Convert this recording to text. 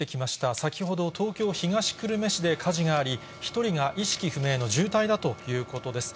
先ほど、東京・東久留米市で火事があり、１人が意識不明の重体だということです。